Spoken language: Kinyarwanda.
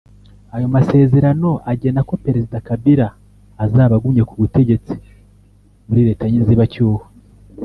Ayo masezerano agena ko Perezida Kabila azaba agumye ku butegetsi muri leta y’inzibacyuho